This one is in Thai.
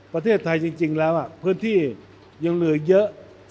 ประเทศไทยจริงแล้วพื้นที่ยังเหลือเยอะ